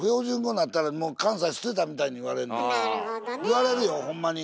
言われるよほんまに。